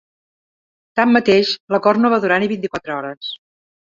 Tanmateix, l’acord no va durar ni vint-i-quatre hores.